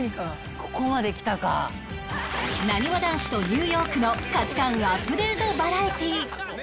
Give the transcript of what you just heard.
なにわ男子とニューヨークの価値観アップデートバラエティー